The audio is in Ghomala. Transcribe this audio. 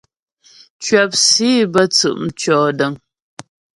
Cwəp sǐ bə́ tsʉ' mtʉ̂ɔdəŋ.